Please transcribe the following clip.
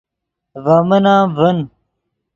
ڤے من ام ڤین